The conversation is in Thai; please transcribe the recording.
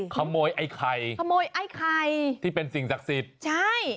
ขโมยไอ้ไข่ขโมยไอ้ไข่ที่เป็นสิ่งศักดิ์สิทธิ์ใช่